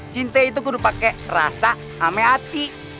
cinta itu kena pakai rasa sama hati